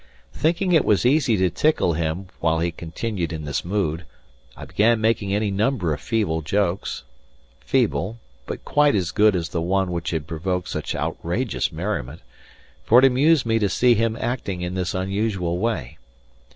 Thinking it was easy to tickle him while he continued in this mood, I began making any number of feeble jokes feeble, but quite as good as the one which had provoked such outrageous merriment for it amused me to see him acting in this unusual way.